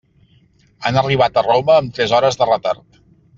Han arribat a Roma amb tres hores de retard.